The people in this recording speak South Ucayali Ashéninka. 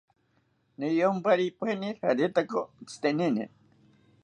Niyomparipaeni raretaka otzitenini